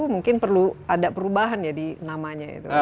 mungkin perlu ada perubahan ya di namanya itu